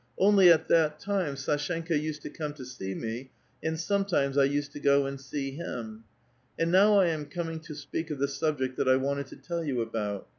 Only at that time Sdshenka used to come to see me, and sometimes I used to go and see him. And now I am coming to speak of the subject that I wanted to tell you about.